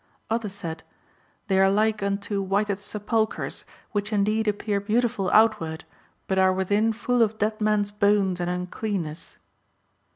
L. Others said, "They are like unto whited sepulchres, which indeed appear beautiful outward, but are within full of dead men's bones and uncleanness."